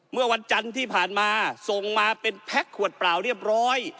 เมื่อวันจันทร์ที่ผ่านมาส่งมาเป็นแพ็คขวดเปล่าเรียบร้อย